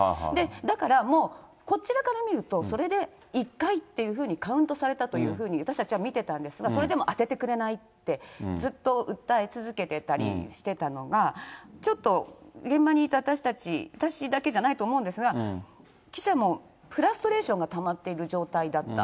だから、もう、こちらから見ると、それで１回っていうふうにカウントされたというふうに私たちは見てたんですが、それでも当ててくれないって、ずっと訴え続けてたりしてたのが、ちょっと現場にいた私たち、私だけじゃないと思うんですが、記者もフラストレーションがたまっている状態だった。